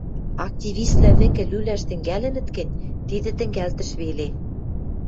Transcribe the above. Активиствлӓ вӹкӹ лӱлӓш тӹнгӓлӹнӹт гӹнь, тидӹ тӹнгӓлтӹш веле.